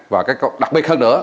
và cái đặc biệt hơn nữa